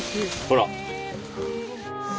ほら。